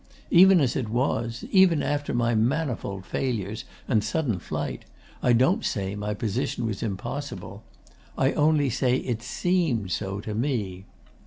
Even as it was, even after my manifold failures and sudden flight, I don't say my position was impossible. I only say it seemed so to me.